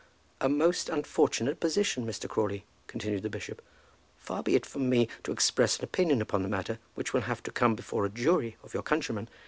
"A most unfortunate position, Mr. Crawley," continued the bishop. "Far be it from me to express an opinion upon the matter, which will have to come before a jury of your countrymen.